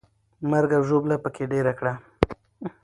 مرګ او ژوبله پکې ډېره کړه.